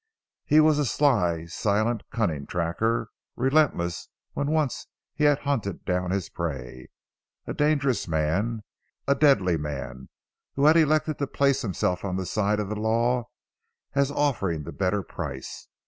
He was a sly, silent, cunning tracker, relentless when once he had hunted down his prey. A dangerous man, a deadly man, who had elected to place himself on the side of the law, as offering the better price.